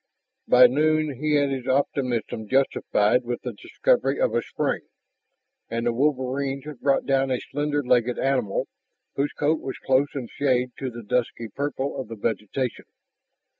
By noon he had his optimism justified with the discovery of a spring, and the wolverines had brought down a slender legged animal whose coat was close in shade to the dusky purple of the vegetation.